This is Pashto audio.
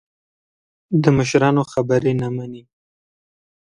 د مشرانو خبرې نه مني.